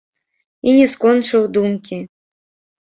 І не скончыў думкі.